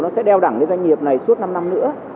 nó sẽ đeo đẳng cái doanh nghiệp này suốt năm năm nữa